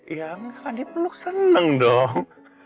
yang andien peluk seneng dong